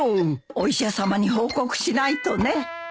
お医者さまに報告しないとね。